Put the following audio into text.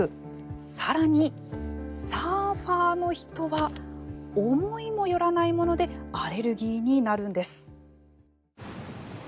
さらに、サーファーの人は思いもよらないものでアレルギーになるんです。